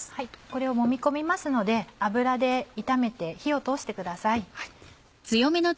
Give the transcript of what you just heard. これをもみ込みますので油で炒めて火を通してください。